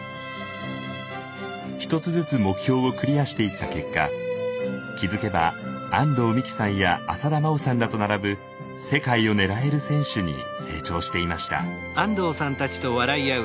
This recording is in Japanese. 一つずつ目標をクリアしていった結果気付けば安藤美姫さんや浅田真央さんらと並ぶ世界を狙える選手に成長していました。